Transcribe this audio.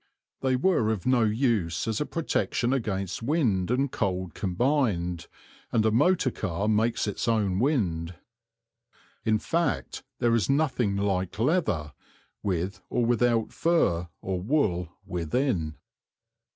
They were of no use as a protection against wind and cold combined, and a motor car makes its own wind. In fact, there is nothing like leather, with or without fur or wool within.